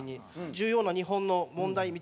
重要な日本の問題みたい